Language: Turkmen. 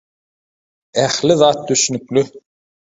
Ähli zat düşnükli.